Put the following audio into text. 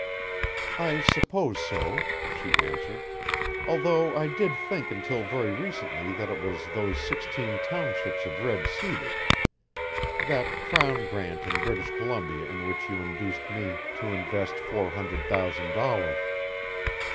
"I suppose so," she answered, "although I did think until very recently that it was those sixteen townships of red cedar that crown grant in British Columbia in which you induced me to invest four hundred thousand dollars.